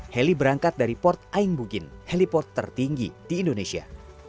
heli berangkat dari port aingbugin heliport tertinggi di indonesia